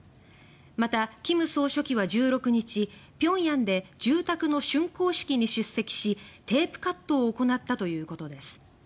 また金総書記は１６日平壌で住宅の竣工式に出席しテープカットを行ったということです。